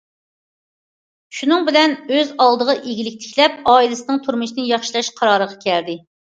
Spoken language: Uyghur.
شۇنىڭ بىلەن ئۇ ئۆز ئالدىغا ئىگىلىك تىكلەپ، ئائىلىسىنىڭ تۇرمۇشىنى ياخشىلاش قارارىغا كەلدى.